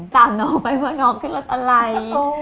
ตามน้องไปว่าน้องขึ้นรถอะไร